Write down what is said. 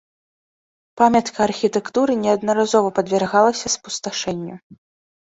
Памятка архітэктуры неаднаразова падвяргалася спусташэнню.